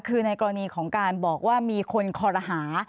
คือในกรณีของการบอกว่ามีคนคอรหา